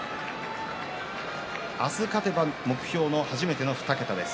明日勝てば目標の初めての２桁です。